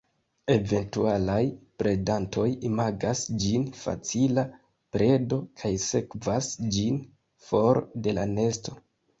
Eventualaj predantoj imagas ĝin facila predo kaj sekvas ĝin for de la nesto.